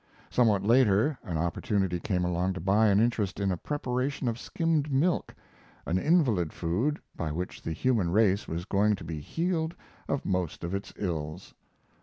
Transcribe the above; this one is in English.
Somewhat later an opportunity came along to buy an interest in a preparation of skimmed milk, an invalid food by which the human race was going to be healed of most of its ills.